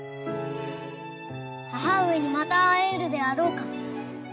母上にまた会えるであろうか？